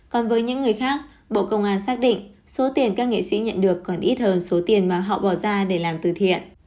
còn với những người khác bộ công an xác định số tiền các nghệ sĩ nhận được còn ít hơn số tiền mà họ bỏ ra để làm từ thiện